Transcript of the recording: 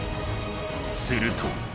すると。